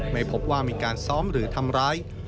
ไม่พบว่ามีการซ้อมหรือทำร้าย